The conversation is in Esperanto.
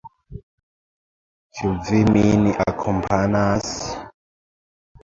Ĉu vi min akompanas?